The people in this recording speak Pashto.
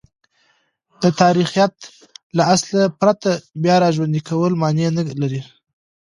د تاریخیت له اصله پرته بیاراژوندی کول مانع نه لري.